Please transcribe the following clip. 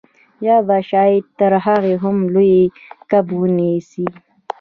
یا به شاید تر هغه هم لوی کب ونیسئ